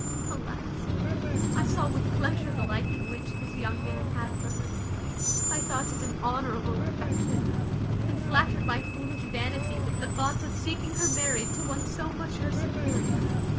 Alas! I saw with pleasure the liking which this young man had for her. I thought it an honourable affection; and flattered my foolish vanity with the thoughts of seeing her married to one so much her superior.